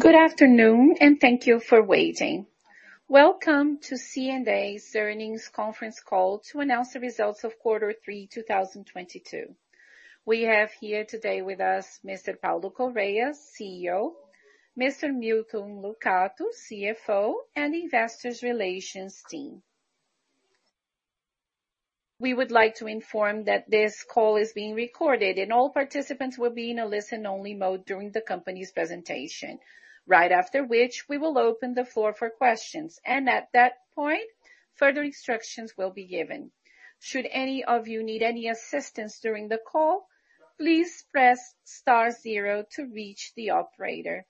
Good afternoon, and thank you for waiting. Welcome to C&A's earnings conference call to announce the results of quarter Three, 2022. We have here today with us Mr. Paulo Correa Junior, CEO, Mr. Milton Lucato Filho, CFO, and Investor Relations team. We would like to inform that this call is being recorded, and all participants will be in a listen-only mode during the company's presentation. Right after which, we will open the floor for questions, and at that point, further instructions will be given. Should any of you need any assistance during the call, please press star zero to reach the operator.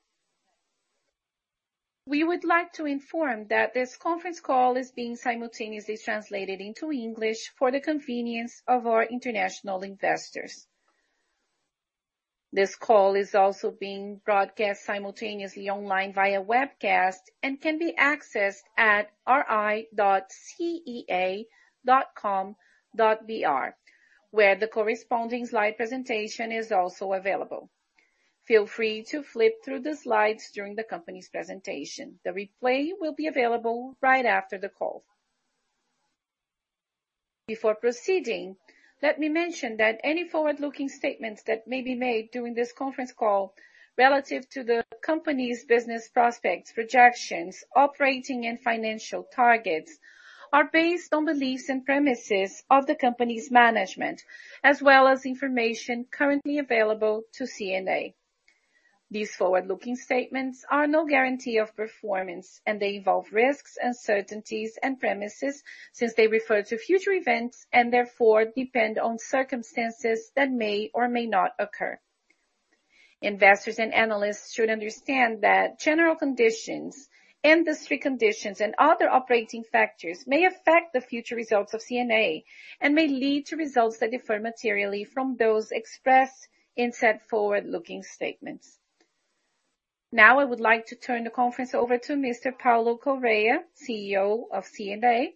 We would like to inform that this conference call is being simultaneously translated into English for the convenience of our international investors. This call is also being broadcast simultaneously online via webcast and can be accessed at ri.cea.com.br, where the corresponding slide presentation is also available. Feel free to flip through the slides during the company's presentation. The replay will be available right after the call. Before proceeding, let me mention that any forward-looking statements that may be made during this conference call relative to the company's business prospects, projections, operating and financial targets are based on beliefs and premises of the company's management, as well as information currently available to C&A. These forward-looking statements are no guarantee of performance, and they involve risks, uncertainties, and premises since they refer to future events and therefore depend on circumstances that may or may not occur. Investors and analysts should understand that general conditions, industry conditions, and other operating factors may affect the future results of C&A and may lead to results that differ materially from those expressed in said forward-looking statements. Now I would like to turn the conference over to Mr. Paulo Correa Junior, CEO of C&A Modas,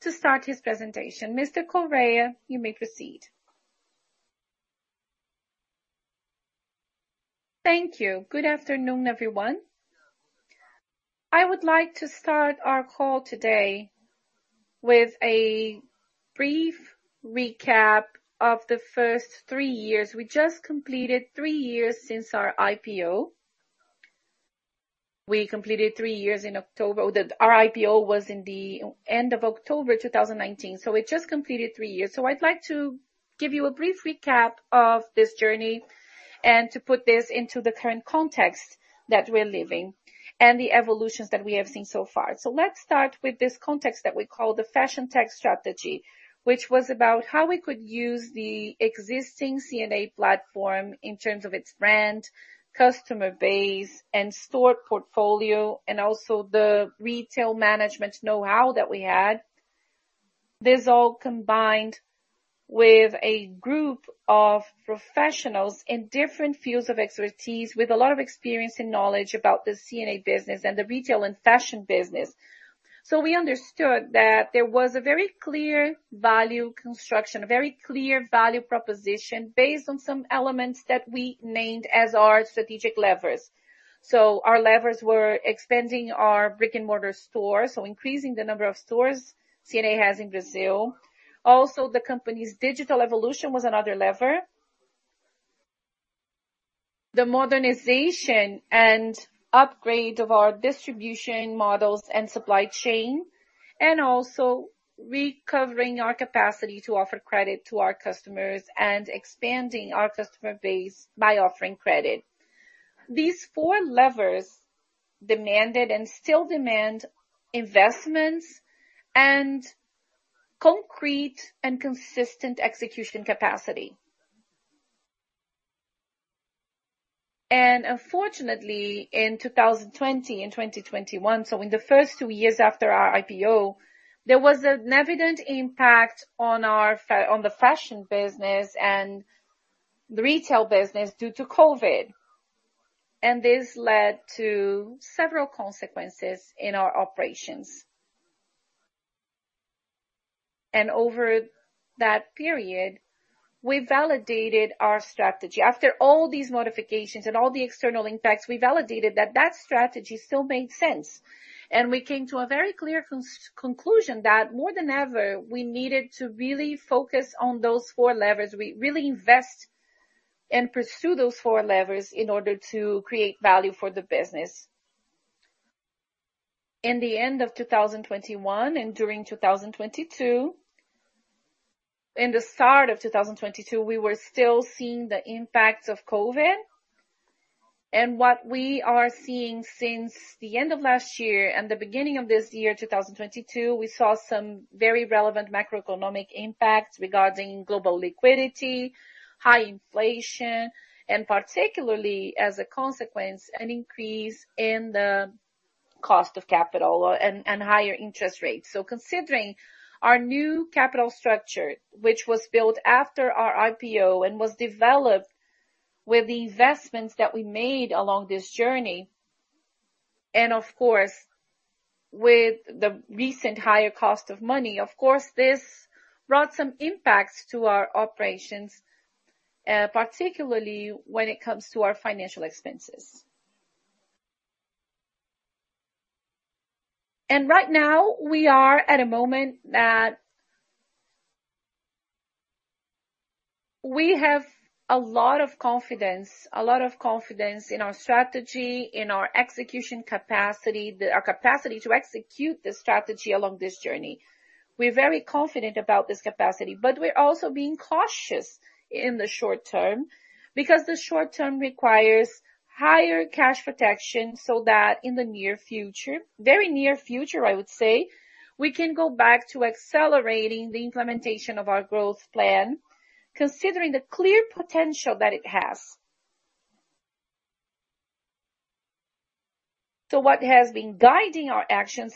to start his presentation. Mr. Correa Junior, you may proceed. Thank you. Good afternoon, everyone. I would like to start our call today with a brief recap of the first three years. We just completed three years since our IPO. We completed three years in October. Our IPO was in the end of October 2019, so we just completed three years. I'd like to give you a brief recap of this journey and to put this into the current context that we're living and the evolutions that we have seen so far. Let's start with this context that we call the fashion tech strategy, which was about how we could use the existing C&A platform in terms of its brand, customer base, and store portfolio, and also the retail management know-how that we had. This all combined with a group of professionals in different fields of expertise with a lot of experience and knowledge about the C&A business and the retail and fashion business. We understood that there was a very clear value construction, a very clear value proposition based on some elements that we named as our strategic levers. Our levers were expanding our brick-and-mortar stores, so increasing the number of stores C&A has in Brazil. Also, the company's digital evolution was another lever. The modernization and upgrade of our distribution models and supply chain, and also recovering our capacity to offer credit to our customers and expanding our customer base by offering credit. These four levers demanded and still demand investments and concrete and consistent execution capacity. Unfortunately, in 2020 and 2021, so in the first two years after our IPO, there was an evident impact on the fashion business and the retail business due to COVID. This led to several consequences in our operations. Over that period, we validated our strategy. After all these modifications and all the external impacts, we validated that strategy still made sense. We came to a very clear conclusion that more than ever, we needed to really focus on those four levers. We really invest and pursue those four levers in order to create value for the business. In the end of 2021 and during 2022, in the start of 2022, we were still seeing the impacts of COVID. What we are seeing since the end of last year and the beginning of this year, 2022, we saw some very relevant macroeconomic impacts regarding global liquidity, high inflation, and particularly as a consequence, an increase in the cost of capital and higher interest rates. Considering our new capital structure, which was built after our IPO and was developed with the investments that we made along this journey, and of course, with the recent higher cost of money, of course, this brought some impacts to our operations, particularly when it comes to our financial expenses. Right now, we are at a moment that we have a lot of confidence in our strategy, in our execution capacity, the capacity to execute the strategy along this journey. We're very confident about this capacity, but we're also being cautious in the short term because the short term requires higher cash protection, so that in the near future, very near future, I would say, we can go back to accelerating the implementation of our growth plan, considering the clear potential that it has. What has been guiding our actions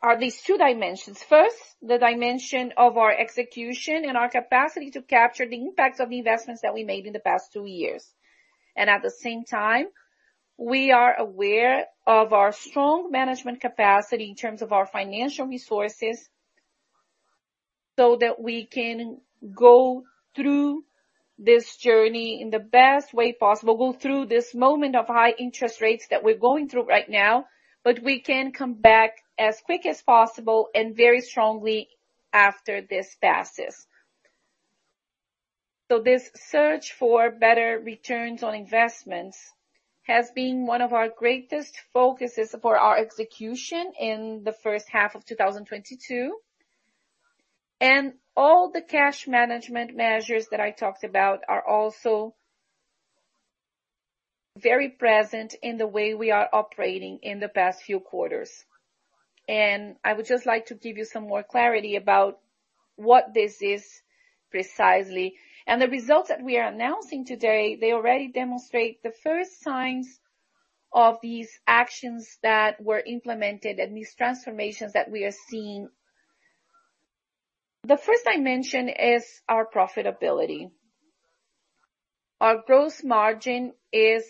are these two dimensions. First, the dimension of our execution and our capacity to capture the impacts of the investments that we made in the past two years. At the same time, we are aware of our strong management capacity in terms of our financial resources, so that we can go through this moment of high interest rates that we're going through right now in the best way possible, but we can come back as quick as possible and very strongly after this passes. This search for better returns on investments has been one of our greatest focuses for our execution in the first half of 2022. All the cash management measures that I talked about are also very present in the way we are operating in the past few quarters. I would just like to give you some more clarity about what this is precisely. The results that we are announcing today, they already demonstrate the first signs of these actions that were implemented and these transformations that we are seeing. The first I mention is our profitability. Our gross margin is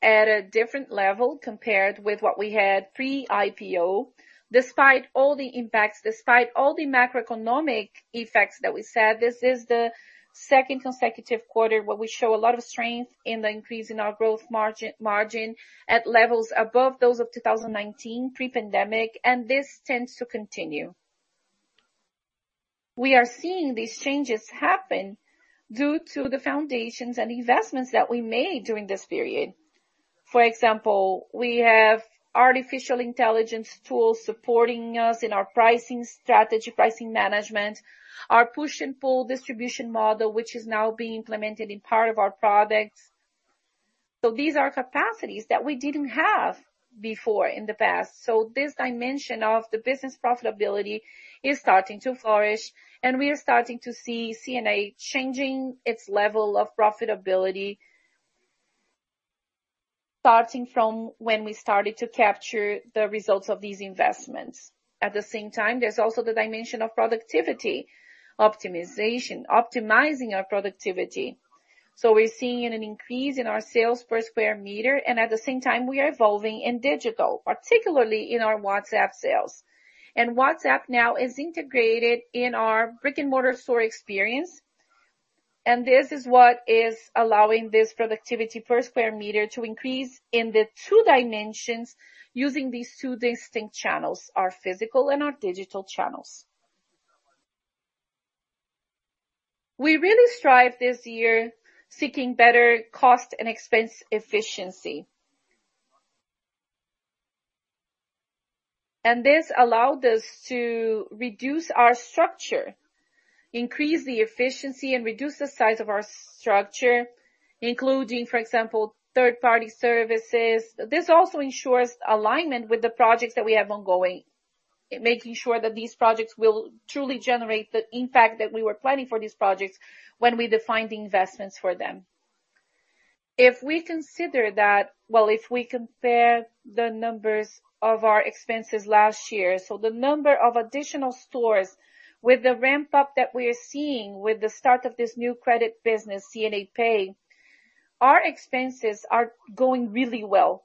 at a different level compared with what we had pre-IPO. Despite all the impacts, despite all the macroeconomic effects that we said, this is the second consecutive quarter where we show a lot of strength in the increase in our growth margin at levels above those of 2019 pre-pandemic, and this tends to continue. We are seeing these changes happen due to the foundations and investments that we made during this period. For example, we have artificial intelligence tools supporting us in our pricing strategy, pricing management. Our push and pull distribution model, which is now being implemented in part of our products. These are capacities that we didn't have before in the past. This dimension of the business profitability is starting to flourish, and we are starting to see C&A changing its level of profitability, starting from when we started to capture the results of these investments. At the same time, there's also the dimension of productivity optimization, optimizing our productivity. We're seeing an increase in our sales per square meter, and at the same time we are evolving in digital, particularly in our WhatsApp sales. WhatsApp now is integrated in our brick-and-mortar store experience. This is what is allowing this productivity per square meter to increase in the two dimensions using these two distinct channels, our physical and our digital channels. We really strived this year seeking better cost and expense efficiency. This allowed us to reduce our structure, increase the efficiency, and reduce the size of our structure, including, for example, third-party services. This also ensures alignment with the projects that we have ongoing. Making sure that these projects will truly generate the impact that we were planning for these projects when we defined the investments for them. If we consider that, well, if we compare the numbers of our expenses last year, so the number of additional stores with the ramp-up that we are seeing with the start of this new credit business, C&A Pay, our expenses are going really well.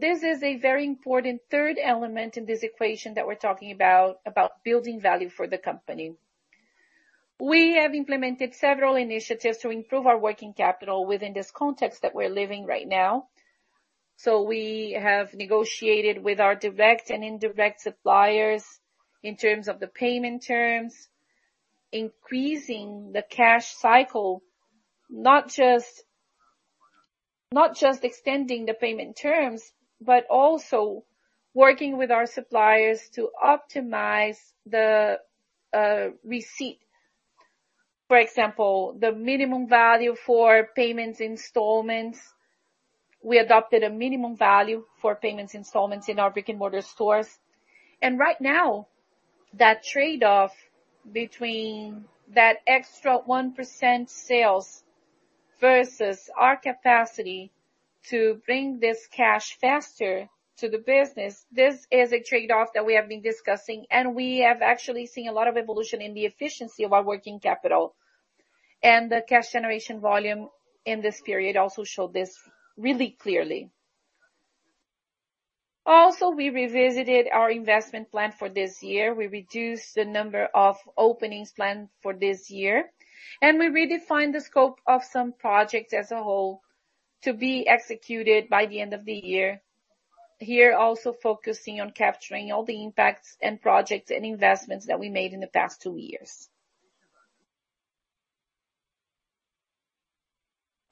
This is a very important third element in this equation that we're talking about building value for the company. We have implemented several initiatives to improve our working capital within this context that we're living right now. We have negotiated with our direct and indirect suppliers in terms of the payment terms, increasing the cash cycle, not just extending the payment terms, but also working with our suppliers to optimize the receipt. For example, the minimum value for payments installments. We adopted a minimum value for payments installments in our brick-and-mortar stores. Right now, that trade-off between that extra 1% sales versus our capacity to bring this cash faster to the business, this is a trade-off that we have been discussing, and we have actually seen a lot of evolution in the efficiency of our working capital. The cash generation volume in this period also showed this really clearly. Also, we revisited our investment plan for this year. We reduced the number of openings planned for this year, and we redefined the scope of some projects as a whole to be executed by the end of the year. Here also focusing on capturing all the impacts and projects and investments that we made in the past two years.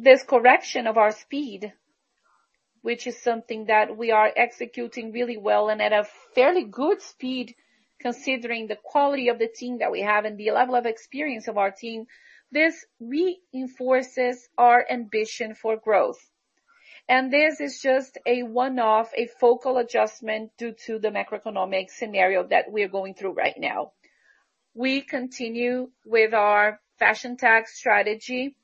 This correction of our speed, which is something that we are executing really well and at a fairly good speed, considering the quality of the team that we have and the level of experience of our team, this reinforces our ambition for growth. This is just a one-off, a focal adjustment due to the macroeconomic scenario that we're going through right now. We continue with our fashion tech strategy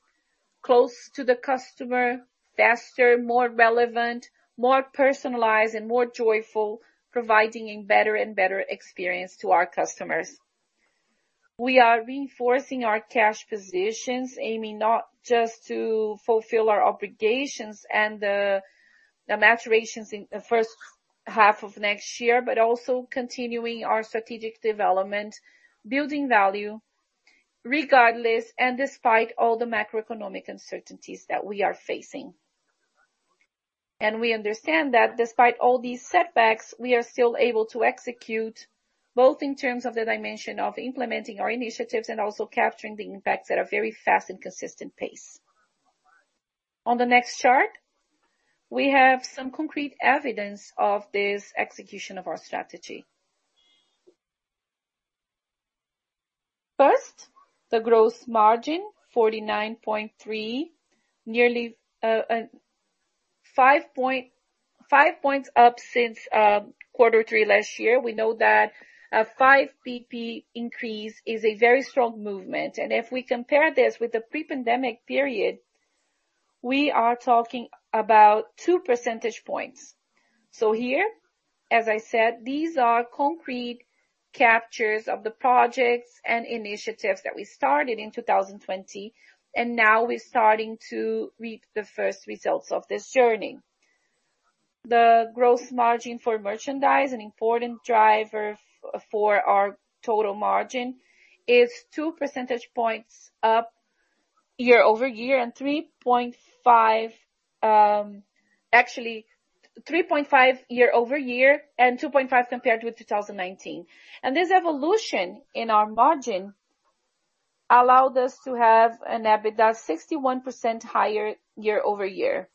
close to the customer, faster, more relevant, more personalized, and more joyful, providing a better and better experience to our customers. We are reinforcing our cash positions, aiming not just to fulfill our obligations and the maturations in the first half of next year, but also continuing our strategic development, building value regardless and despite all the macroeconomic uncertainties that we are facing. We understand that despite all these setbacks, we are still able to execute both in terms of the dimension of implementing our initiatives and also capturing the impacts at a very fast and consistent pace. On the next chart, we have some concrete evidence of this execution of our strategy. First, the gross margin, 49.3%, nearly five percentage points up since quarter three last year. We know that a five percentage points increase is a very strong movement. If we compare this with the pre-pandemic period, we are talking about two percentage points. Here, as I said, these are concrete captures of the projects and initiatives that we started in 2020, and now we're starting to reap the first results of this journey. The growth margin for merchandise, an important driver for our total margin, is two percentage points up year-over-year and 3.5, actually 3.5 year-over-year and 2.5 compared with 2019. This evolution in our margin allowed us to have an EBITDA 61% higher year-over-year.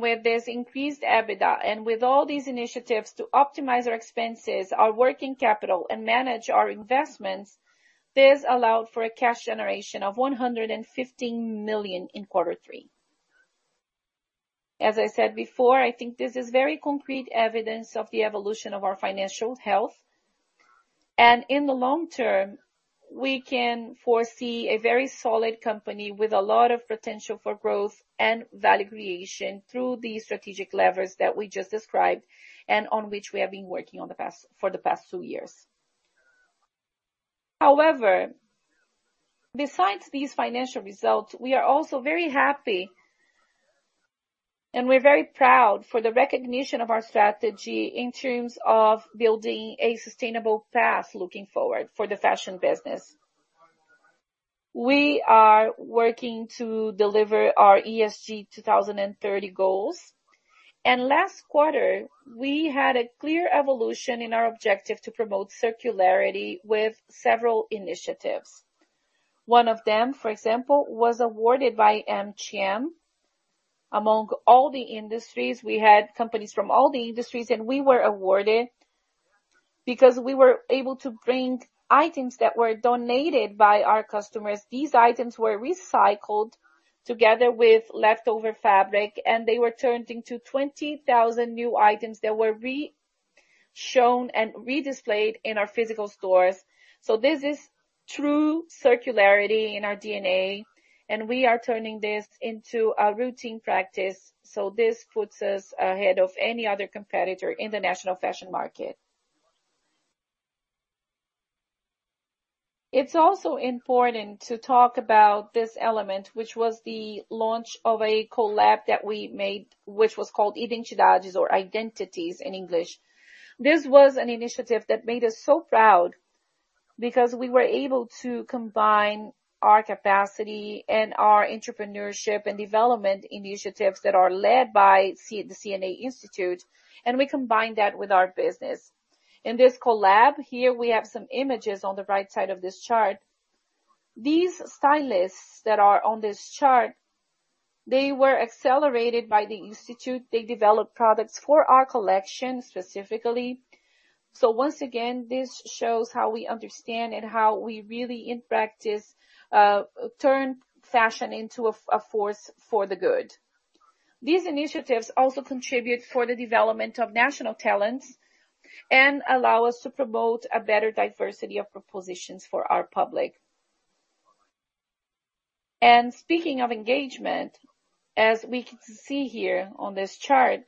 With this increased EBITDA and with all these initiatives to optimize our expenses, our working capital and manage our investments, this allowed for a cash generation of 115 million in quarter three. As I said before, I think this is very concrete evidence of the evolution of our financial health. In the long term, we can foresee a very solid company with a lot of potential for growth and value creation through the strategic levers that we just described and on which we have been working for the past two years. However, besides these financial results, we are also very happy and we're very proud for the recognition of our strategy in terms of building a sustainable path looking forward for the fashion business. We are working to deliver our ESG 2030 goals. Last quarter, we had a clear evolution in our objective to promote circularity with several initiatives. One of them, for example, was awarded by MGM. Among all the industries, we had companies from all the industries, and we were awarded because we were able to bring items that were donated by our customers. These items were recycled together with leftover fabric, and they were turned into 20,000 new items that were re-shown and redisplayed in our physical stores. This is true circularity in our DNA, and we are turning this into a routine practice. This puts us ahead of any other competitor in the national fashion market. It's also important to talk about this element, which was the launch of a collab that we made, which was called Identidades or Identities in English. This was an initiative that made us so proud because we were able to combine our capacity and our entrepreneurship and development initiatives that are led by the C&A Institute, and we combined that with our business. In this collab here, we have some images on the right side of this chart. These stylists that are on this chart, they were accelerated by the institute. They developed products for our collection specifically. Once again, this shows how we understand and how we really in practice turn fashion into a force for the good. These initiatives also contribute for the development of national talents and allow us to promote a better diversity of propositions for our public. Speaking of engagement, as we can see here on this chart,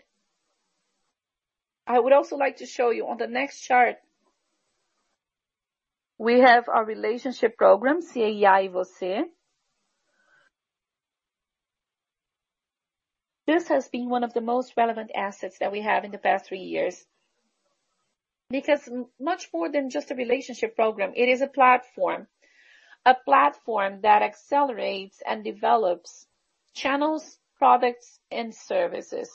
I would also like to show you on the next chart, we have our relationship program, C&A&VC. This has been one of the most relevant assets that we have in the past three years because much more than just a relationship program, it is a platform. A platform that accelerates and develops channels, products, and services.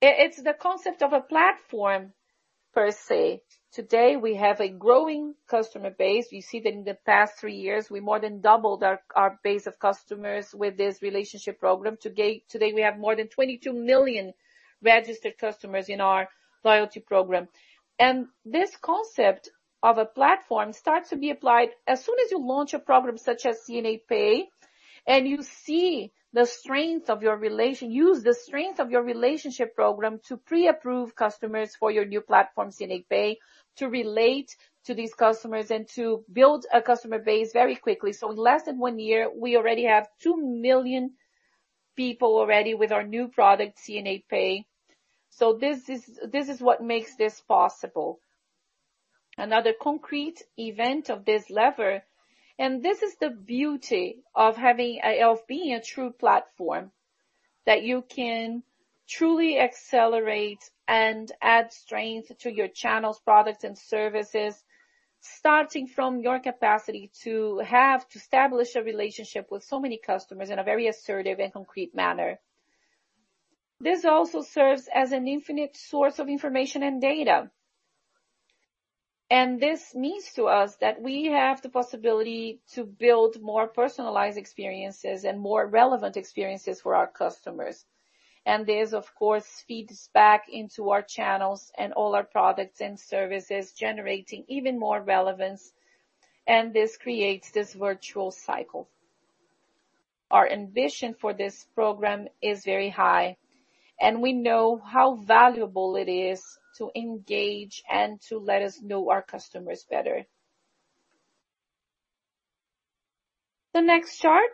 It's the concept of a platform per se. Today, we have a growing customer base. We see that in the past three years, we more than doubled our base of customers with this relationship program. Today, we have more than 22 million registered customers in our loyalty program. This concept of a platform starts to be applied as soon as you launch a program such as C&A Pay, and you see the strength of your relationship program to pre-approve customers for your new platform, C&A Pay, to relate to these customers and to build a customer base very quickly. In less than one year, we already have two million people already with our new product, C&A Pay. This is what makes this possible. Another concrete event of this lever, and this is the beauty of being a true platform that you can truly accelerate and add strength to your channels, products and services, starting from your capacity to have to establish a relationship with so many customers in a very assertive and concrete manner. This also serves as an infinite source of information and data. This means to us that we have the possibility to build more personalized experiences and more relevant experiences for our customers. This, of course, feeds back into our channels and all our products and services, generating even more relevance, and this creates this virtual cycle. Our ambition for this program is very high, and we know how valuable it is to engage and to let us know our customers better. The next chart.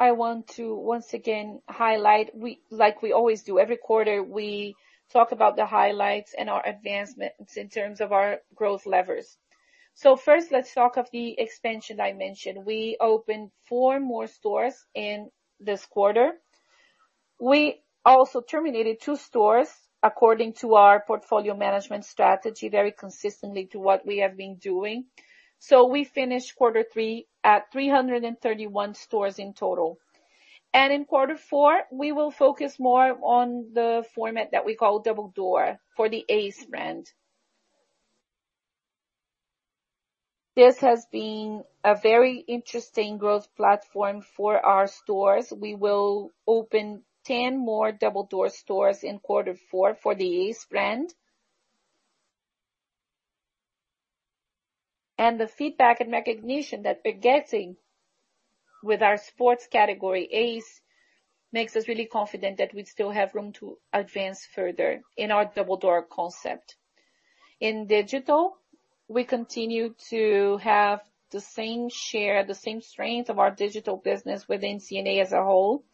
I want to once again highlight, we, like we always do every quarter, we talk about the highlights and our advancements in terms of our growth levers. First, let's talk about the expansion I mentioned. We opened 4 more stores in this quarter. We also terminated 2 stores according to our portfolio management strategy, very consistent with what we have been doing. We finished quarter three at 331 stores in total. In quarter four, we will focus more on the format that we call Double Door for the ACE brand. This has been a very interesting growth platform for our stores. We will open 10 more Double Door stores in quarter four for the ACE brand. The feedback and recognition that we're getting with our sports category, ACE, makes us really confident that we still have room to advance further in our Double Door concept. In digital, we continue to have the same share, the same strength of our digital business within C&A as a whole.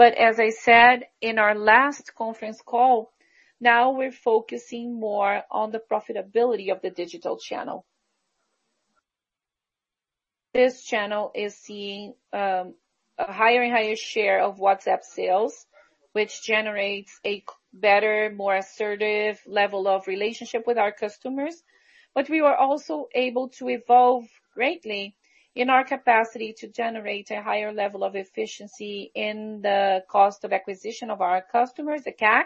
As I said in our last conference call, now we're focusing more on the profitability of the digital channel. This channel is seeing a higher and higher share of WhatsApp sales, which generates a better, more assertive level of relationship with our customers. We were also able to evolve greatly in our capacity to generate a higher level of efficiency in the cost of acquisition of our customers, the CAC,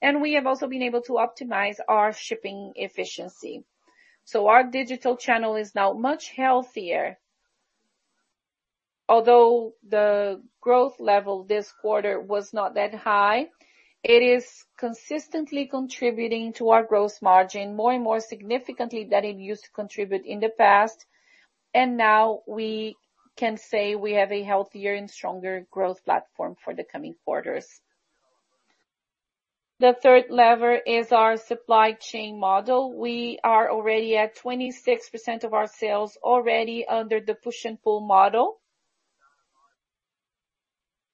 and we have also been able to optimize our shipping efficiency. Our digital channel is now much healthier. Although the growth level this quarter was not that high, it is consistently contributing to our gross margin more and more significantly than it used to contribute in the past. Now we can say we have a healthier and stronger growth platform for the coming quarters. The third lever is our supply chain model. We are already at 26% of our sales already under the push and pull model.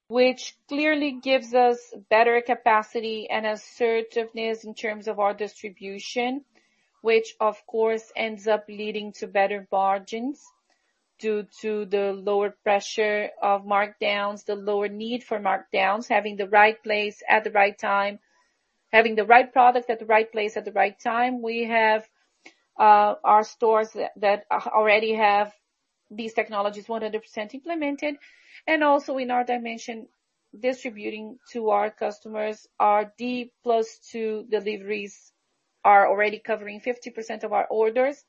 Which clearly gives us better capacity and assertiveness in terms of our distribution, which of course, ends up leading to better margins due to the lower pressure of markdowns, the lower need for markdowns, having the right product at the right place at the right time. We have our stores that already have these technologies 100% implemented. Also in our dimension, distributing to our customers, our D+2 deliveries are already covering 50% of our orders.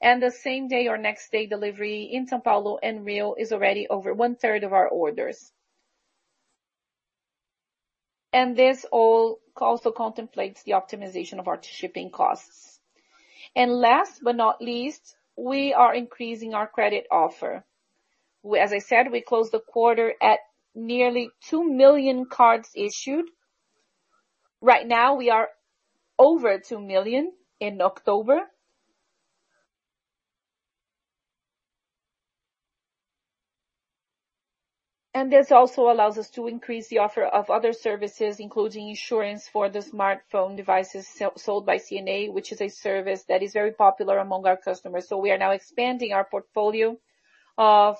The same day or next day delivery in São Paulo and Rio is already over 1/3 of our orders. This all also contemplates the optimization of our shipping costs. Last but not least, we are increasing our credit offer. As I said, we closed the quarter at nearly two million cards issued. Right now we are over two million in October. This also allows us to increase the offer of other services, including insurance for the smartphone devices sold by C&A, which is a service that is very popular among our customers. We are now expanding our portfolio of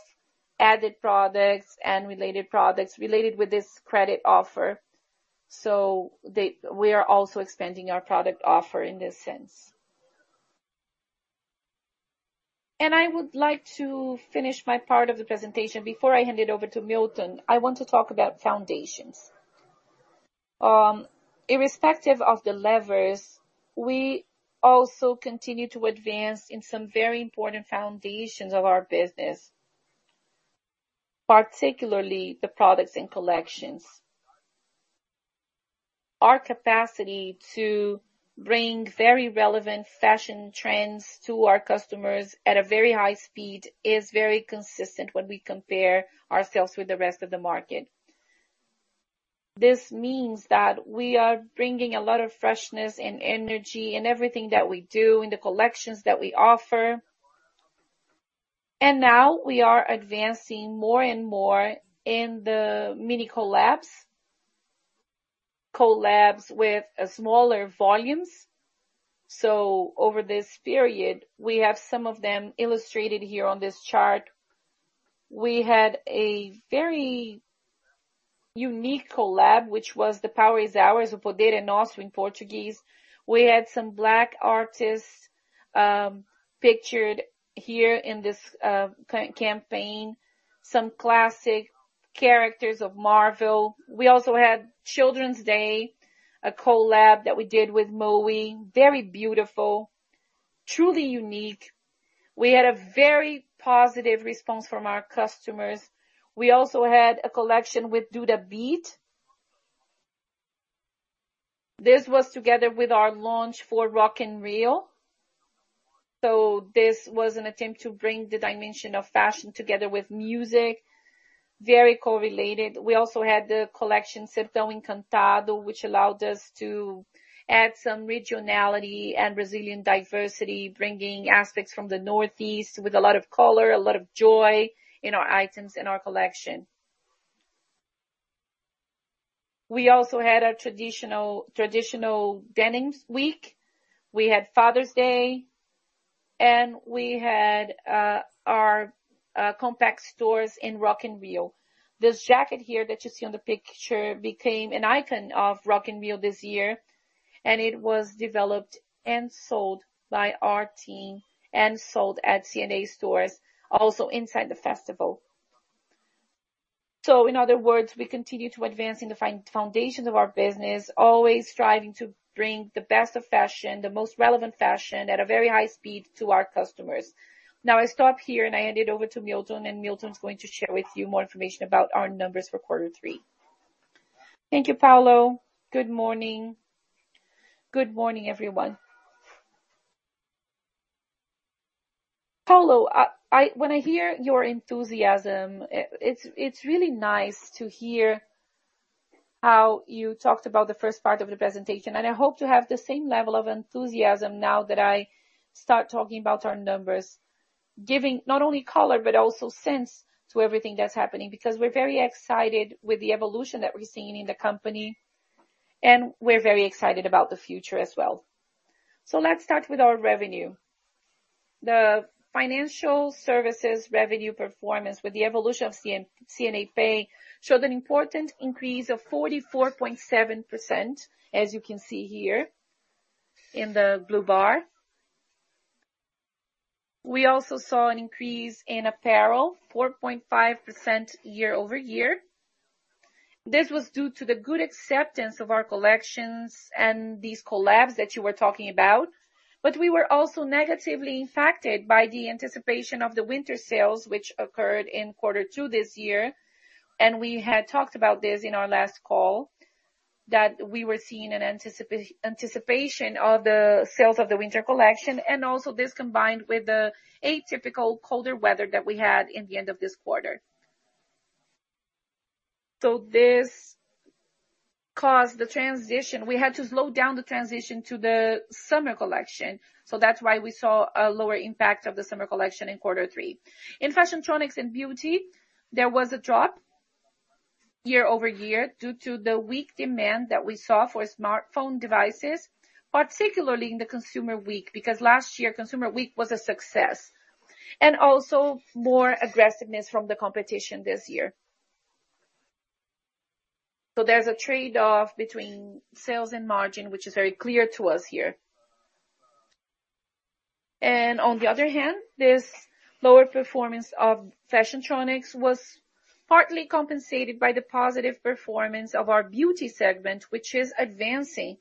added products and related products related with this credit offer. We are also expanding our product offer in this sense. I would like to finish my part of the presentation. Before I hand it over to Milton, I want to talk about foundations. Irrespective of the levers, we also continue to advance in some very important foundations of our business, particularly the products and collections. Our capacity to bring very relevant fashion trends to our customers at a very high speed is very consistent when we compare ourselves with the rest of the market. This means that we are bringing a lot of freshness and energy in everything that we do, in the collections that we offer. Now we are advancing more and more in the mini collabs with smaller volumes. Over this period, we have some of them illustrated here on this chart. We had a very unique collab, which was The Power is Ours or O Poder é Nosso in Portuguese. We had some Black artists pictured here in this campaign, some classic characters of Marvel. We also had Children's Day, a collab that we did with MOOUI, very beautiful, truly unique. We had a very positive response from our customers. We also had a collection with Duda Beat. This was together with our launch for Rock in Rio. This was an attempt to bring the dimension of fashion together with music, very correlated. We also had the collection Sertão Encantado, which allowed us to add some regionality and Brazilian diversity, bringing aspects from the Northeast with a lot of color, a lot of joy in our items in our collection. We also had a traditional denims week. We had Father's Day, and we had our compact stores in Rock in Rio. This jacket here that you see on the picture became an icon of Rock in Rio this year, and it was developed and sold by our team and sold at C&A stores also inside the festival. In other words, we continue to advance in the foundations of our business, always striving to bring the best of fashion, the most relevant fashion, at a very high speed to our customers. Now I stop here, and I hand it over to Milton, and Milton is going to share with you more information about our numbers for quarter three. Thank you, Paulo. Good morning. Good morning, everyone. Paulo, when I hear your enthusiasm, it's really nice to hear how you talked about the first part of the presentation, and I hope to have the same level of enthusiasm now that I start talking about our numbers. Giving not only color but also sense to everything that's happening because we're very excited with the evolution that we're seeing in the company, and we're very excited about the future as well. Let's start with our revenue. The financial services revenue performance with the evolution of C&A Pay showed an important increase of 44.7%, as you can see here in the blue bar. We also saw an increase in apparel, 4.5% year-over-year. This was due to the good acceptance of our collections and these collabs that you were talking about. We were also negatively impacted by the anticipation of the winter sales, which occurred in quarter two this year. We had talked about this in our last call, that we were seeing an anticipation of the sales of the winter collection and also this combined with the atypical colder weather that we had in the end of this quarter. This caused the transition. We had to slow down the transition to the summer collection, so that's why we saw a lower impact of the summer collection in quarter three. In Fashiontronics and beauty, there was a drop year-over-year due to the weak demand that we saw for smartphone devices, particularly in the consumer week, because last year, consumer week was a success. Also more aggressiveness from the competition this year. There's a trade-off between sales and margin, which is very clear to us here. On the other hand, this lower performance of Fashiontronics was partly compensated by the positive performance of our beauty segment, which is advancing.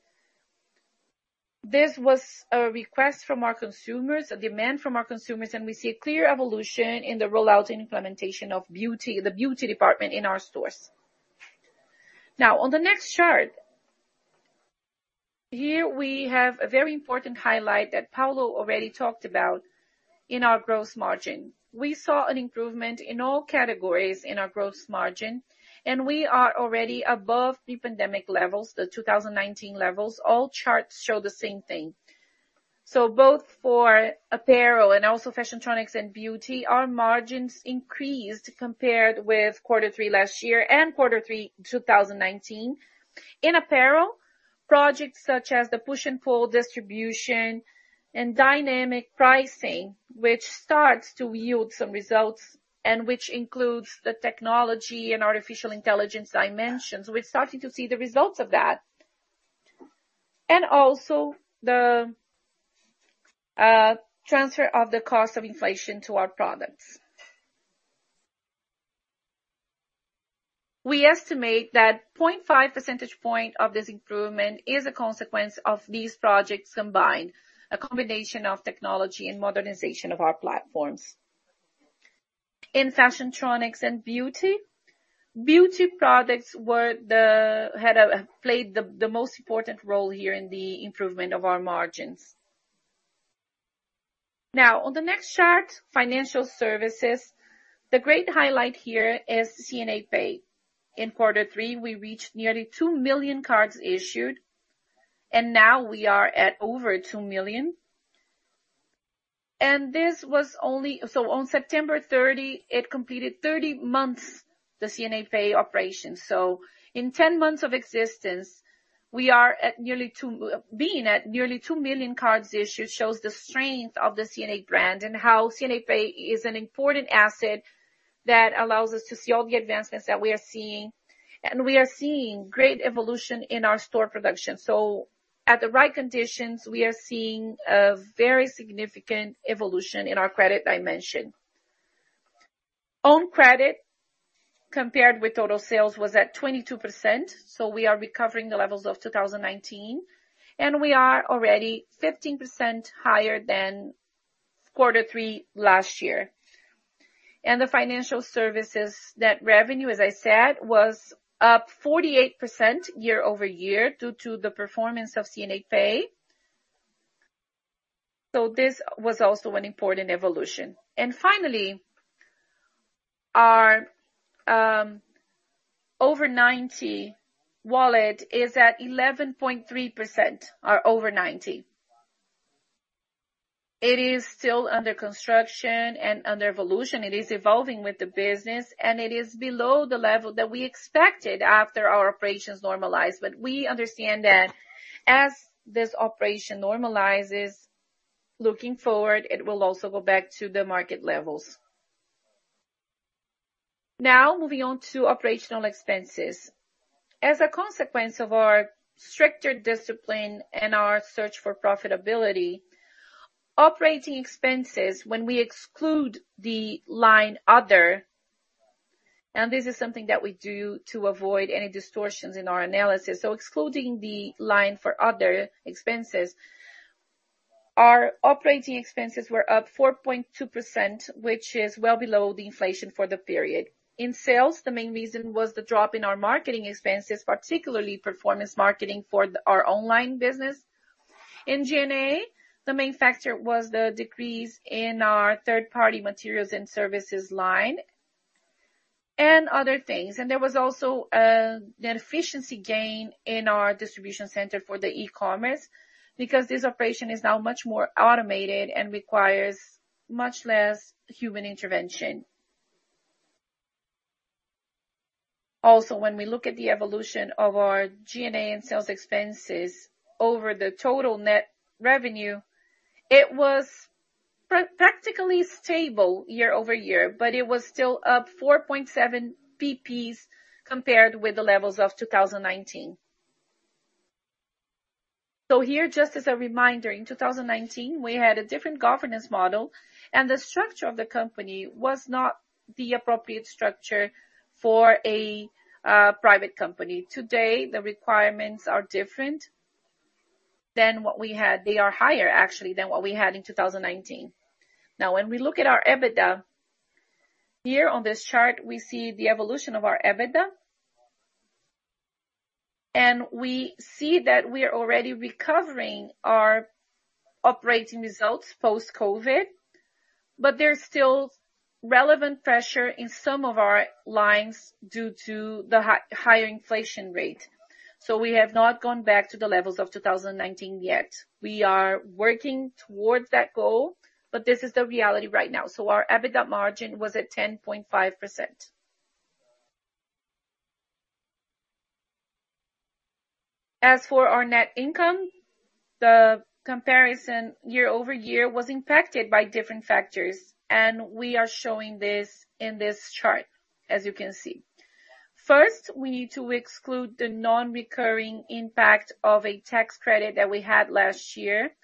This was a request from our consumers, a demand from our consumers, and we see a clear evolution in the rollout and implementation of beauty, the beauty department in our stores. Now on the next chart. Here we have a very important highlight that Paulo already talked about in our gross margin. We saw an improvement in all categories in our gross margin, and we are already above the pandemic levels, the 2019 levels. All charts show the same thing. Both for apparel and also Fashiontronics and beauty, our margins increased compared with quarter three last year and quarter three, 2019. In apparel, projects such as the push and pull distribution and dynamic pricing, which starts to yield some results and which includes the technology and artificial intelligence dimensions. We're starting to see the results of that, and also the transfer of the cost of inflation to our products. We estimate that 0.5 percentage point of this improvement is a consequence of these projects combined, a combination of technology and modernization of our platforms. In fashiontronics and beauty products played the most important role here in the improvement of our margins. Now, on the next chart, financial services. The great highlight here is C&A Pay. In quarter three, we reached nearly two million cards issued, and now we are at over two million. On September 30, it completed 30 months, the C&A Pay operation. In 10 months of existence, being at nearly two million cards issued shows the strength of the C&A brand and how C&A Pay is an important asset that allows us to see all the advancements that we are seeing. We are seeing great evolution in our store production. At the right conditions, we are seeing a very significant evolution in our credit dimension. Own credit, compared with total sales, was at 22%, so we are recovering the levels of 2019, and we are already 15% higher than quarter three last year. The financial services net revenue, as I said, was up 48% year-over-year due to the performance of C&A Pay. This was also an important evolution. Finally, our over 90 wallet is at 11.3%, our over 90. It is still under construction and under evolution. It is evolving with the business, and it is below the level that we expected after our operations normalized. We understand that as this operation normalizes, looking forward, it will also go back to the market levels. Now moving on to operational expenses. As a consequence of our stricter discipline and our search for profitability, operating expenses, when we exclude the line other, and this is something that we do to avoid any distortions in our analysis. Excluding the line for other expenses, our operating expenses were up 4.2%, which is well below the inflation for the period. In sales, the main reason was the drop in our marketing expenses, particularly performance marketing for our online business. In G&A, the main factor was the decrease in our third-party materials and services line and other things. There was also an efficiency gain in our distribution center for the e-commerce because this operation is now much more automated and requires much less human intervention. Also, when we look at the evolution of our G&A and sales expenses over the total net revenue, it was practically stable year-over-year, but it was still up 4.7 bps compared with the levels of 2019. Here, just as a reminder, in 2019, we had a different governance model, and the structure of the company was not the appropriate structure for a private company. Today, the requirements are different than what we had. They are higher, actually, than what we had in 2019. Now when we look at our EBITDA, here on this chart, we see the evolution of our EBITDA. We see that we are already recovering our operating results post-COVID, but there's still relevant pressure in some of our lines due to the higher inflation rate. We have not gone back to the levels of 2019 yet. We are working towards that goal, but this is the reality right now. Our EBITDA margin was at 10.5%. As for our net income, the comparison year-over-year was impacted by different factors, and we are showing this in this chart, as you can see. First, we need to exclude the non-recurring impact of a tax credit that we had last year.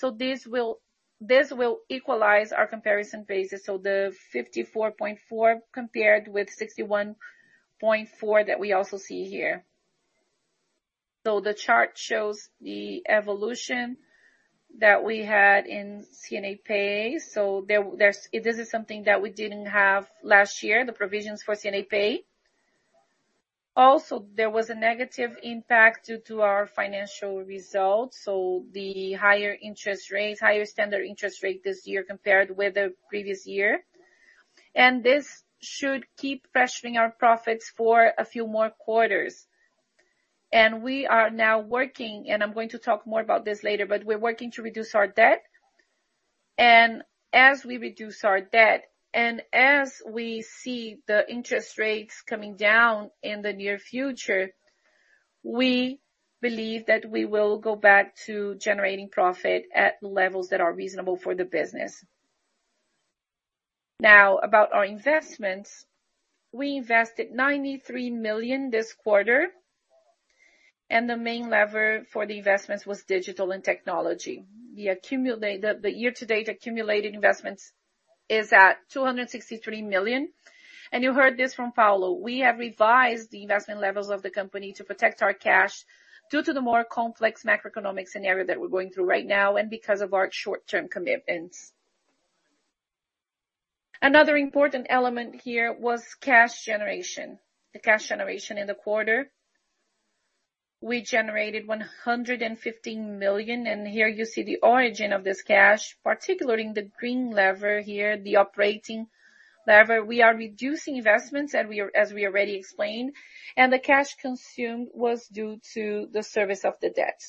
This will equalize our comparison basis. The 54.4 compared with 61.4 that we also see here. The chart shows the evolution that we had in C&A Pay. This is something that we didn't have last year, the provisions for C&A Pay. Also, there was a negative impact due to our financial results. The higher interest rates, higher standard interest rate this year compared with the previous year. This should keep pressuring our profits for a few more quarters. We are now working, and I'm going to talk more about this later, but we're working to reduce our debt. As we reduce our debt, and as we see the interest rates coming down in the near future, we believe that we will go back to generating profit at levels that are reasonable for the business. Now, about our investments. We invested 93 million this quarter, and the main lever for the investments was digital and technology. The year-to-date accumulated investments is at 263 million. You heard this from Paulo. We have revised the investment levels of the company to protect our cash due to the more complex macroeconomic scenario that we're going through right now and because of our short-term commitments. Another important element here was cash generation. The cash generation in the quarter. We generated 115 million, and here you see the origin of this cash, particularly in the green lever here, the operating lever. We are reducing investments as we already explained, and the cash consumed was due to the service of the debt.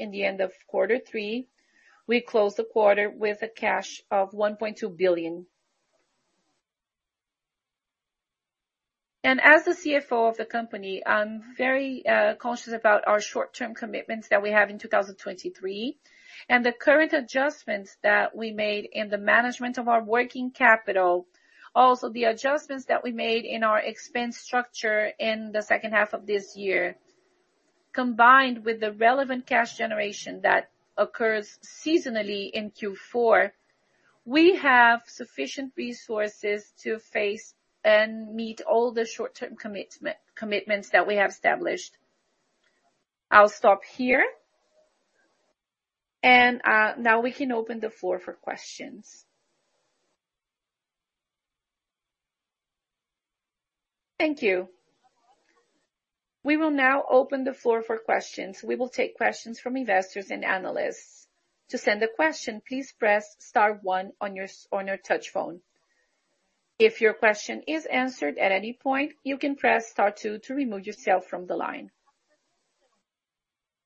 In the end of quarter three, we closed the quarter with a cash of 1.2 billion. As the CFO of the company, I'm very conscious about our short-term commitments that we have in 2023, and the current adjustments that we made in the management of our working capital. Also, the adjustments that we made in our expense structure in the second half of this year, combined with the relevant cash generation that occurs seasonally in Q4, we have sufficient resources to face and meet all the short-term commitments that we have established. I'll stop here. Now we can open the floor for questions. Thank you. We will now open the floor for questions. We will take questions from investors and analysts. To send a question, please press star one on your touch-tone phone. If your question is answered at any point, you can press star two to remove yourself from the line.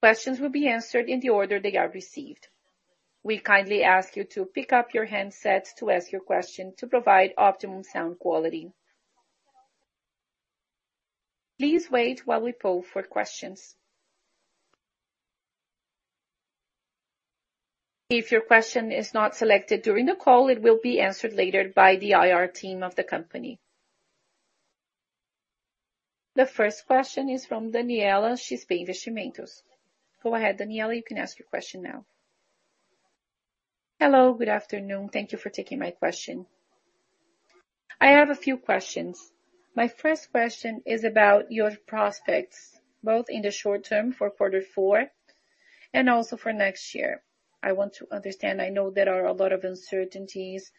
Questions will be answered in the order they are received. We kindly ask you to pick up your handsets to ask your question to provide optimum sound quality. Please wait while we poll for questions. If your question is not selected during the call, it will be answered later by the IR team of the company. The first question is from Daniela Chiespain Vestimentos. Go ahead, Daniela, you can ask your question now. Hello, good afternoon. Thank you for taking my question. I have a few questions. My first question is about your prospects, both in the short term for quarter four and also for next year. I want to understand, I know there are a lot of uncertainties.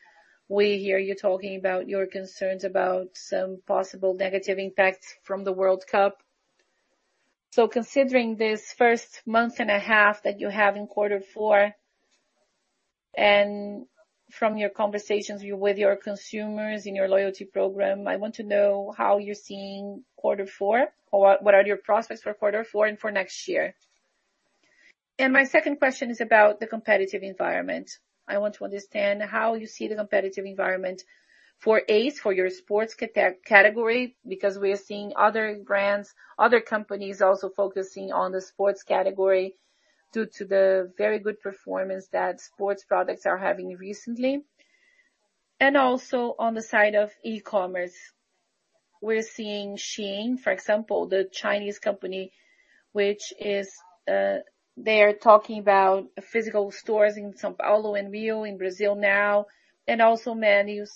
We hear you talking about your concerns about some possible negative impacts from the World Cup. Considering this first month and a half that you have in quarter four, and from your conversations with your consumers in your loyalty program, I want to know how you're seeing quarter four or what are your prospects for quarter four and for next year? My second question is about the competitive environment. I want to understand how you see the competitive environment for ACE, for your sports category, because we are seeing other brands, other companies also focusing on the sports category due to the very good performance that sports products are having recently. On the side of e-commerce, we're seeing Shein, for example, the Chinese company, which is, they are talking about physical stores in São Paulo and Rio in Brazil now, and also Magalu,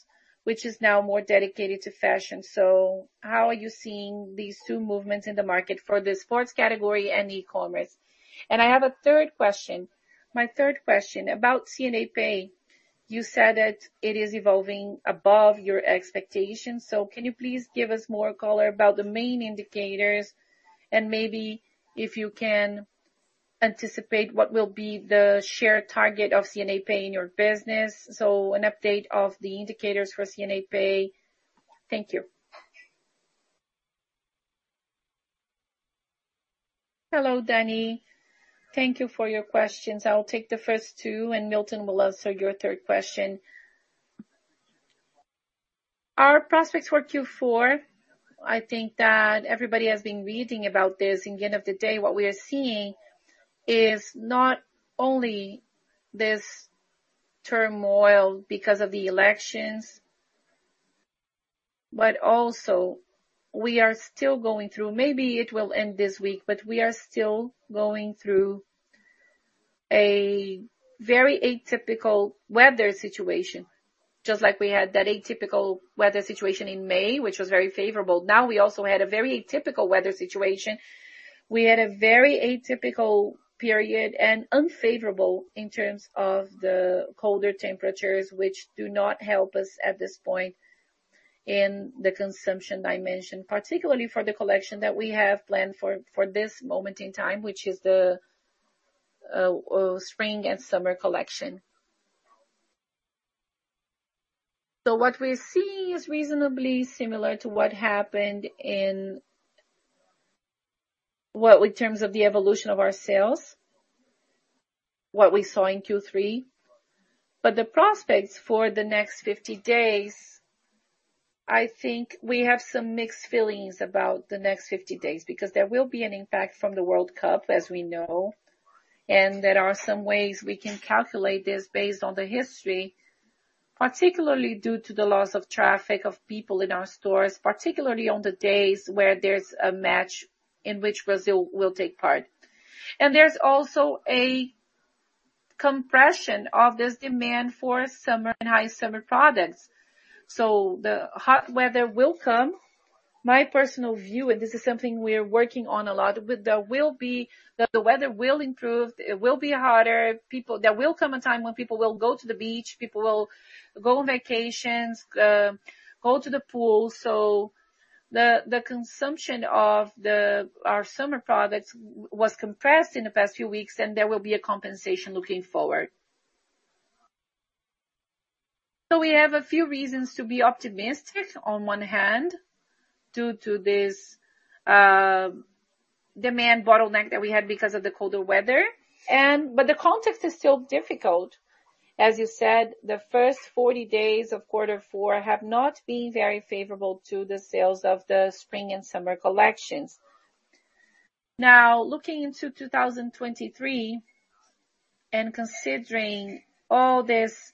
which is now more dedicated to fashion. How are you seeing these two movements in the market for the sports category and e-commerce? I have a third question. My third question about C&A Pay. You said that it is evolving above your expectations. Can you please give us more color about the main indicators and maybe if you can anticipate what will be the share target of C&A Pay in your business? An update of the indicators for C&A Pay. Thank you. Hello, Danny. Thank you for your questions. I'll take the first two, and Milton will answer your third question. Our prospects for Q4, I think that everybody has been reading about this. In the end of the day, what we are seeing is not only this turmoil because of the elections, but also we are still going through. Maybe it will end this week, but we are still going through a very atypical weather situation. Just like we had that atypical weather situation in May, which was very favorable. Now we also had a very atypical weather situation. We had a very atypical period and unfavorable in terms of the colder temperatures, which do not help us at this point. In the consumption dimension, particularly for the collection that we have planned for this moment in time, which is the spring and summer collection. What we're seeing is reasonably similar to what happened. Well, in terms of the evolution of our sales, what we saw in Q3. The prospects for the next 50 days, I think we have some mixed feelings about the next 50 days because there will be an impact from the World Cup as we know, and there are some ways we can calculate this based on the history, particularly due to the loss of traffic of people in our stores, particularly on the days where there's a match in which Brazil will take part. There's also a compression of this demand for summer and high summer products. The hot weather will come. My personal view, and this is something we are working on a lot with, that the weather will improve, it will be hotter. There will come a time when people will go to the beach, people will go on vacations, go to the pool. The consumption of our summer products was compressed in the past few weeks, and there will be a compensation looking forward. We have a few reasons to be optimistic on one hand, due to this demand bottleneck that we had because of the colder weather. But the context is still difficult. As you said, the first 40 days of quarter four have not been very favorable to the sales of the spring and summer collections. Now, looking into 2023 and considering all this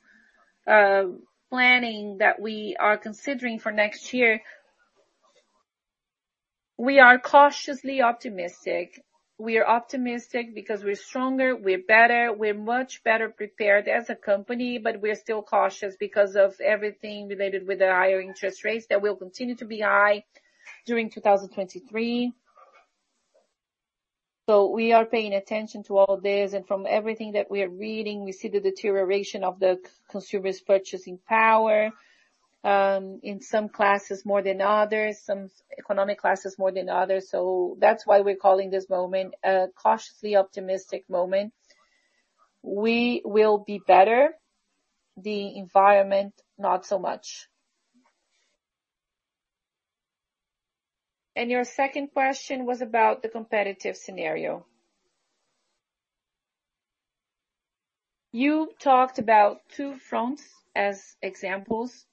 planning that we are considering for next year, we are cautiously optimistic. We are optimistic because we're stronger, we're better, we're much better prepared as a company, but we're still cautious because of everything related with the higher interest rates that will continue to be high during 2023. We are paying attention to all this, and from everything that we are reading, we see the deterioration of the consumers' purchasing power, in some classes more than others, some economic classes more than others. That's why we're calling this moment a cautiously optimistic moment. We will be better, the environment, not so much. Your second question was about the competitive scenario. You talked about two fronts as examples.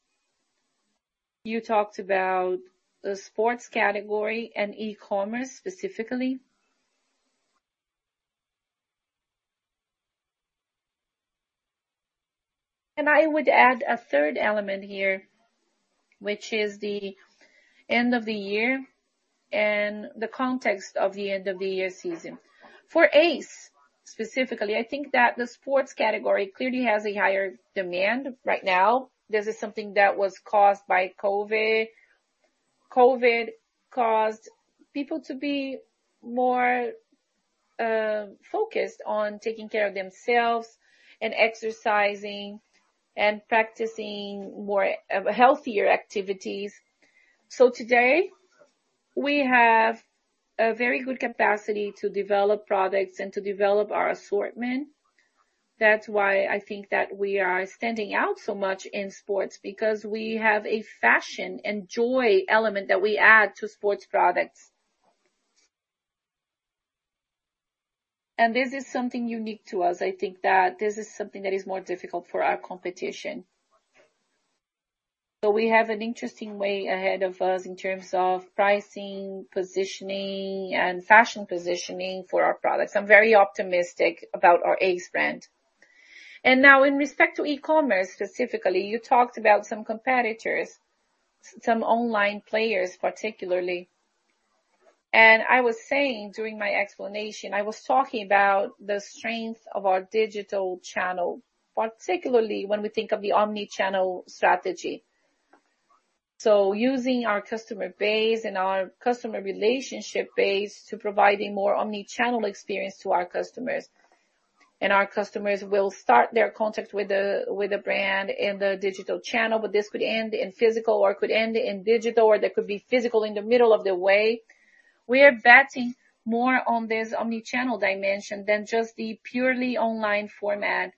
You talked about the sports category and e-commerce specifically. I would add a third element here, which is the end of the year and the context of the end of the year season. For ACE specifically, I think that the sports category clearly has a higher demand right now. This is something that was caused by COVID. COVID caused people to be more focused on taking care of themselves and exercising and practicing more healthier activities. Today we have a very good capacity to develop products and to develop our assortment. That's why I think that we are standing out so much in sports because we have a fashion and joy element that we add to sports products. This is something unique to us. I think that this is something that is more difficult for our competition. We have an interesting way ahead of us in terms of pricing, positioning and fashion positioning for our products. I'm very optimistic about our ACE brand. Now in respect to e-commerce specifically, you talked about some competitors, some online players particularly. I was saying during my explanation, I was talking about the strength of our digital channel, particularly when we think of the omni-channel strategy. Using our customer base and our customer relationship base to providing more omni-channel experience to our customers. Our customers will start their contact with the brand in the digital channel, but this could end in physical or could end in digital, or there could be physical in the middle of the way. We are betting more on this omni-channel dimension than just the purely online format,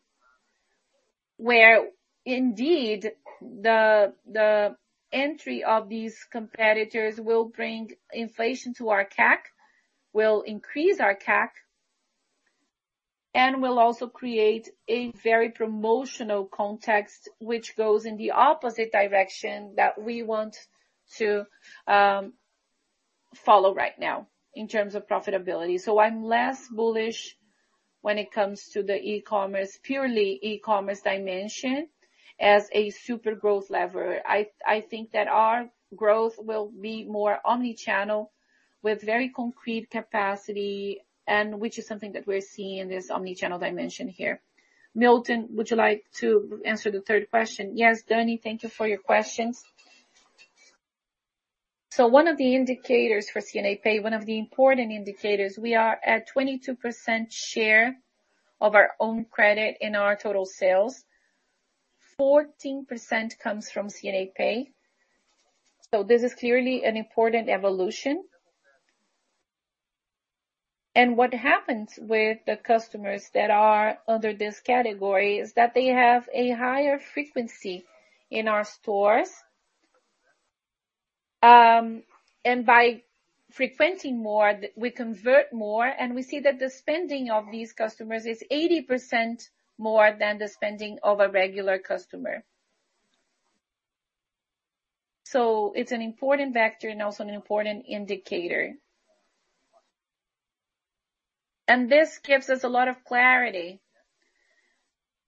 where indeed the entry of these competitors will bring inflation to our CAC, will increase our CAC, and will also create a very promotional context which goes in the opposite direction that we want to follow right now in terms of profitability. I'm less bullish when it comes to the e-commerce, purely e-commerce dimension as a super growth lever. I think that our growth will be more omni-channel with very concrete capacity and which is something that we're seeing in this omni-channel dimension here. Milton, would you like to answer the third question? Yes, Danny, thank you for your questions. One of the indicators for C&A Pay, one of the important indicators, we are at 22% share of our own credit in our total sales. 14% comes from C&A Pay. This is clearly an important evolution. What happens with the customers that are under this category is that they have a higher frequency in our stores. By frequenting more, we convert more, and we see that the spending of these customers is 80% more than the spending of a regular customer. It's an important factor and also an important indicator. This gives us a lot of clarity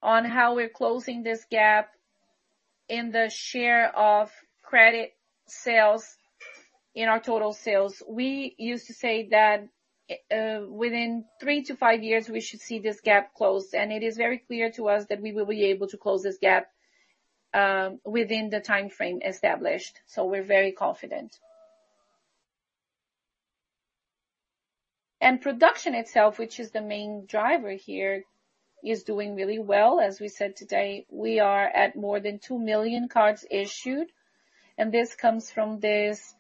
on how we're closing this gap in the share of credit sales in our total sales. We used to say that, within three to five years, we should see this gap closed, and it is very clear to us that we will be able to close this gap, within the time frame established. We're very confident. Production itself, which is the main driver here, is doing really well. As we said today, we are at more than two million cards issued, and this comes from this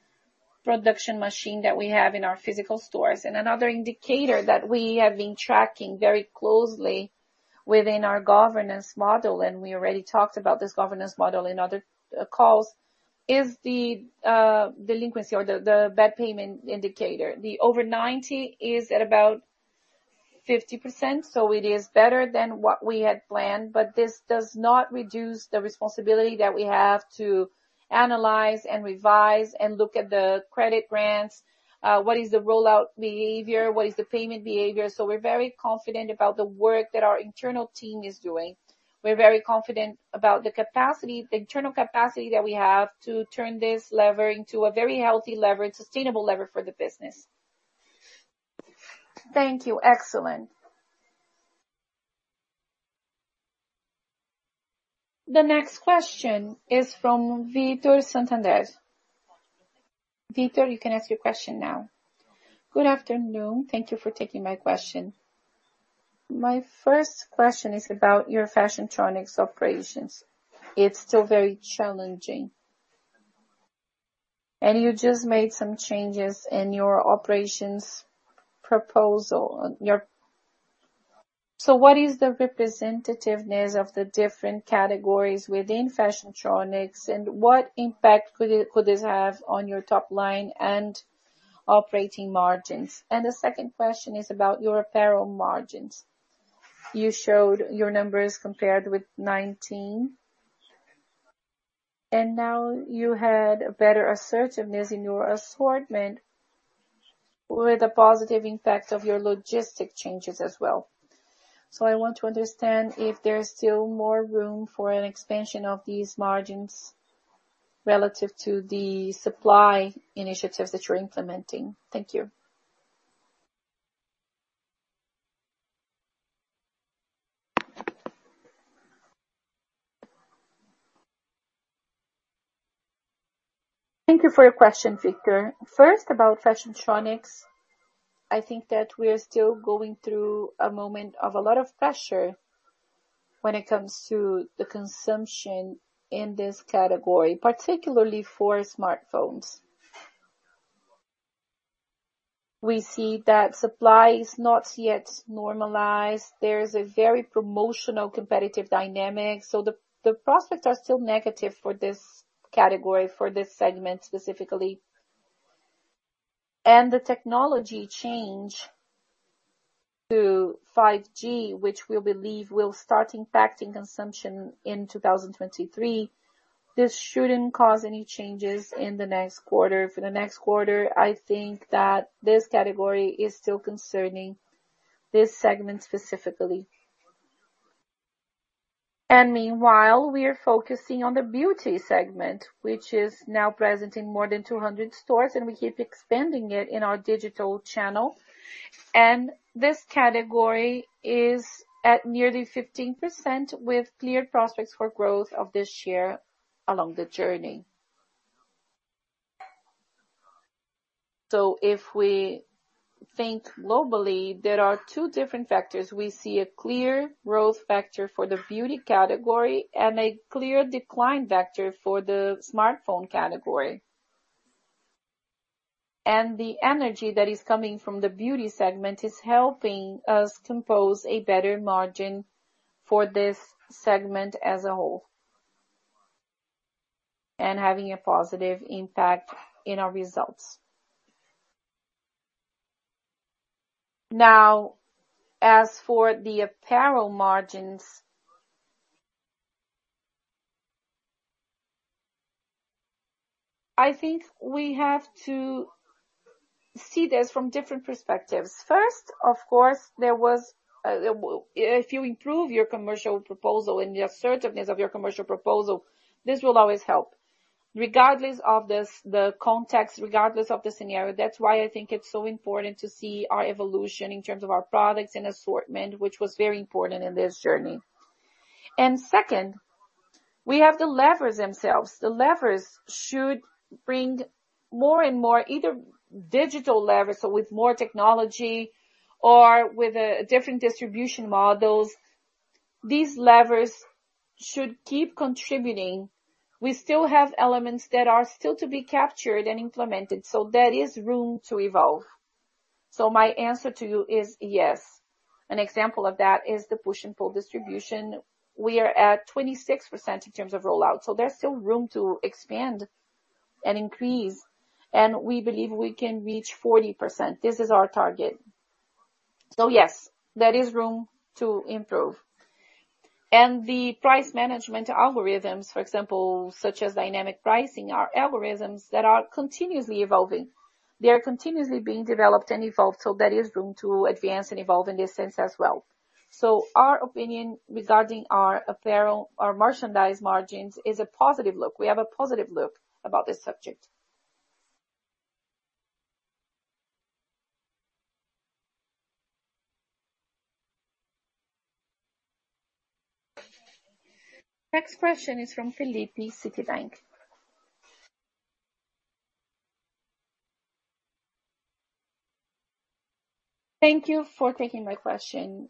production machine that we have in our physical stores. Another indicator that we have been tracking very closely within our governance model, and we already talked about this governance model in other calls, is the delinquency or the bad payment indicator. The over 90 is at about 50%, so it is better than what we had planned. This does not reduce the responsibility that we have to analyze and revise and look at the credit grants, what is the rollout behavior, what is the payment behavior. We're very confident about the work that our internal team is doing. We're very confident about the capacity, the internal capacity that we have to turn this lever into a very healthy lever and sustainable lever for the business. Thank you. Excellent. The next question is from Victor Saragiotto. Victor, you can ask your question now. Good afternoon. Thank you for taking my question. My first question is about your Fashiontronics operations. It's still very challenging. You just made some changes in your operations proposal. So what is the representativeness of the different categories within Fashiontronics, and what impact could this have on your top line and operating margins? The second question is about your apparel margins. You showed your numbers compared with 2019. Now you had better assertiveness in your assortment with a positive impact of your logistics changes as well. I want to understand if there is still more room for an expansion of these margins relative to the supply initiatives that you're implementing. Thank you. Thank you for your question, Victor. First, about Fashiontronics, I think that we are still going through a moment of a lot of pressure when it comes to the consumption in this category, particularly for smartphones. We see that supply is not yet normalized. There is a very promotional competitive dynamic. The prospects are still negative for this category, for this segment specifically. The technology change to 5G, which we believe will start impacting consumption in 2023, this shouldn't cause any changes in the next quarter. For the next quarter, I think that this category is still concerning this segment specifically. Meanwhile, we are focusing on the beauty segment, which is now present in more than 200 stores, and we keep expanding it in our digital channel. This category is at nearly 15% with clear prospects for growth of this share along the journey. If we think globally, there are two different factors. We see a clear growth factor for the beauty category and a clear decline factor for the smartphone category. The energy that is coming from the beauty segment is helping us compose a better margin for this segment as a whole and having a positive impact in our results. Now, as for the apparel margins, I think we have to see this from different perspectives. First, of course, there was if you improve your commercial proposal and the assertiveness of your commercial proposal, this will always help. Regardless of this, the context, regardless of the scenario, that's why I think it's so important to see our evolution in terms of our products and assortment, which was very important in this journey. Second, we have the levers themselves. The levers should bring more and more either digital levers, so with more technology or with different distribution models. These levers should keep contributing. We still have elements that are still to be captured and implemented, so there is room to evolve. My answer to you is yes. An example of that is the push and pull distribution. We are at 26% in terms of rollout, so there's still room to expand and increase, and we believe we can reach 40%. This is our target. Yes, there is room to improve. The price management algorithms, for example, such as dynamic pricing, are algorithms that are continuously evolving. They are continuously being developed and evolved, so there is room to advance and evolve in this sense as well. Our opinion regarding our apparel or merchandise margins is a positive look. We have a positive look about this subject. Next question is from Felipe Correa, Citibank. Thank you for taking my question.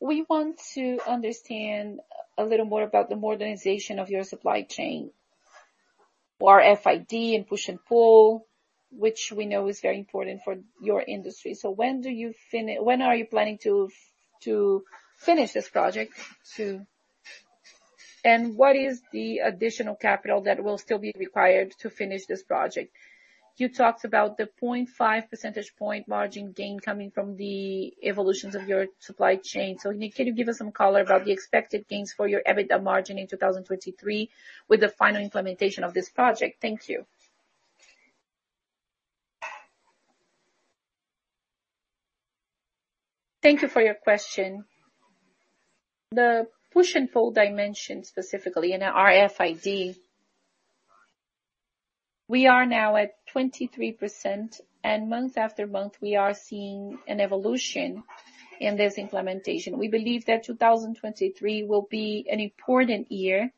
We want to understand a little more about the modernization of your supply chain or RFID and push and pull, which we know is very important for your industry. When are you planning to finish this project? And what is the additional capital that will still be required to finish this project? You talked about the 0.5 percentage point margin gain coming from the evolutions of your supply chain. Can you give us some color about the expected gains for your EBITDA margin in 2023 with the final implementation of this project? Thank you. Thank you for your question. The push and pull dimension, specifically in our RFID. We are now at 23% and month after month, we are seeing an evolution in this implementation. We believe that 2023 will be an important year.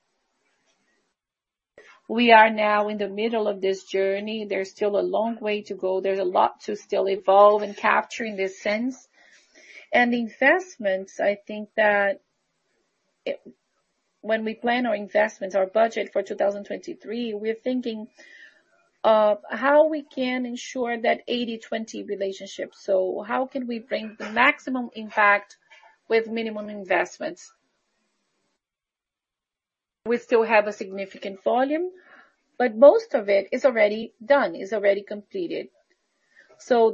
We are now in the middle of this journey. There's still a long way to go. There's a lot to still evolve in capturing this sense. Investments, I think that when we plan our investments, our budget for 2023, we're thinking of how we can ensure that 80/20 relationship. How can we bring the maximum impact with minimum investments? We still have a significant volume, but most of it is already done, is already completed.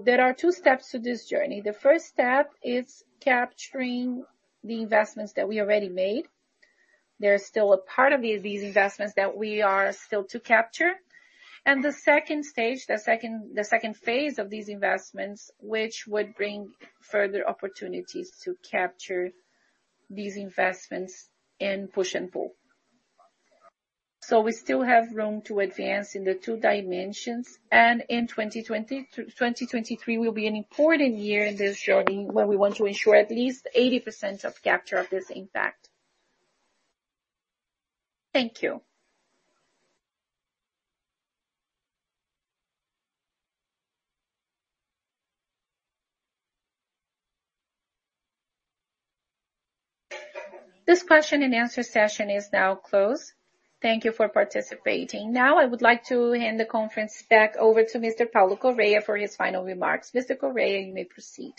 There are two steps to this journey. The first step is capturing the investments that we already made. There's still a part of these investments that we are still to capture. The second phase of these investments, which would bring further opportunities to capture these investments in push and pull. We still have room to advance in the two dimensions. In 2023 will be an important year in this journey, where we want to ensure at least 80% of capture of this impact. Thank you. This question and answer session is now closed. Thank you for participating. Now, I would like to hand the conference back over to Mr. Paulo Correia for his final remarks. Mr. Correia, you may proceed.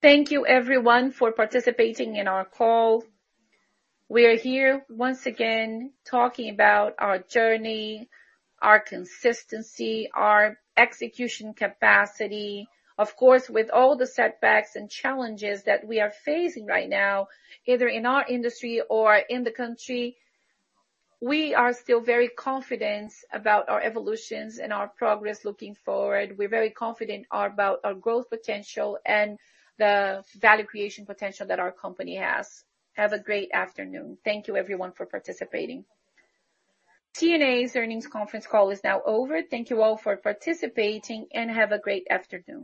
Thank you everyone for participating in our call. We are here once again talking about our journey, our consistency, our execution capacity. Of course, with all the setbacks and challenges that we are facing right now, either in our industry or in the country, we are still very confident about our evolutions and our progress looking forward. We're very confident about our growth potential and the value creation potential that our company has. Have a great afternoon. Thank you everyone for participating. C&A's earnings conference call is now over. Thank you all for participating, and have a great afternoon.